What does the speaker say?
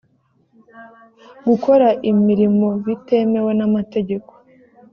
gukora imirimo bitemewe n’amategeko